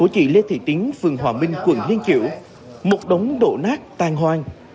tại tỉnh phường hòa minh quận thiên chiểu một đống đổ nát tan hoang